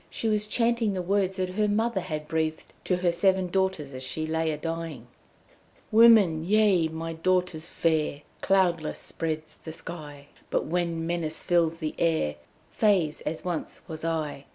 She was chanting the words that her mother had breathed to her seven daughters as she lay a'dying: 'Women ye, my daughters fair (Cloudless spreads the sky); But when menace fills the air, Fées, as once was I.